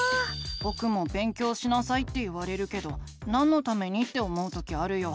ぼくも「勉強しなさい」って言われるけどなんのためにって思う時あるよ。